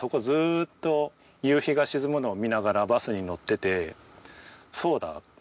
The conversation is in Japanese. ずーっと夕日が沈むのを見ながらバスに乗ってて。